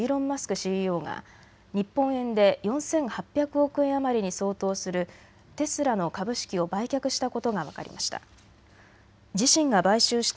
ＣＥＯが日本円で４８００億円余りに相当するテスラの株式を売却したことが分かりました。